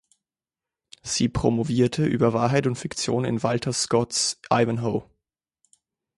Sie promovierte über Wahrheit und Fiktion in Walter Scotts Ivanhoe.